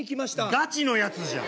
ガチのやつじゃん！